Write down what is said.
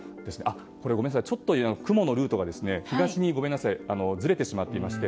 これ、ごめんなさいちょっと雲のルートが東にずれてしまっていまして。